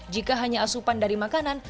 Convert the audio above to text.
jika hanya asupan dari makanan